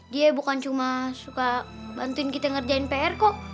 dia bukan cuma suka bantuin kita ngerjain pr kok